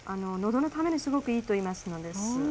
どのためにすごくいいといいますのです。